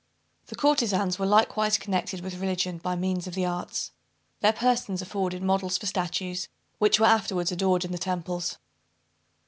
The courtezans were likewise connected with religion, by means of the arts. Their persons afforded models for statues, which were afterwards adored in the temples.